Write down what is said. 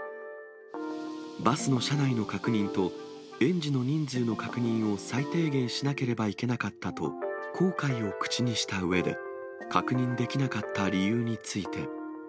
バスの車内の確認と、園児の人数の確認を最低限しなければいけなかったと、後悔を口にしたうえで、確認できなかった理由について。